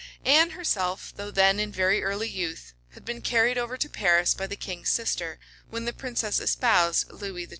Anne herself, though then in very early youth, had been carried over to Paris by the king's sister, when the princess espoused Lewis XII.